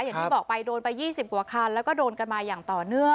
อย่างที่บอกไปโดนไป๒๐กว่าคันแล้วก็โดนกันมาอย่างต่อเนื่อง